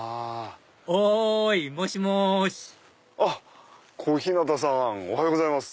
おいもしもしあっおはようございます。